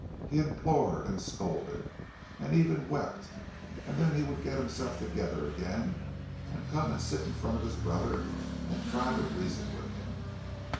He implored and scolded, and even wept; and then he would get himself together again, and come and sit in front of his brother and try to reason with him.